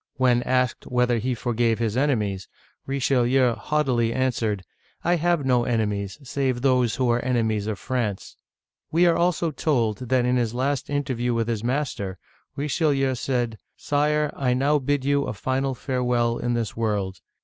When asked whether he forgave his enemies, Richelieu haughtily answered, " I have no enemies, save those who are enemies of France! We are also told that in his last interview with his master, Richelieu said :" Sire, I now bid you a final farewell in this world.